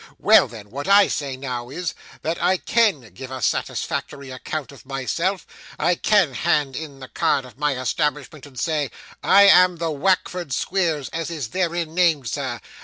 Well then, what I say now is, that I CAN give a satisfactory account of myself; I can hand in the card of my establishment and say, "I am the Wackford Squeers as is therein named, sir.